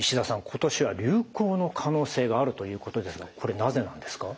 今年は流行の可能性があるということですがこれなぜなんですか？